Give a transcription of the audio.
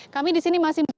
kami di sini masih mencari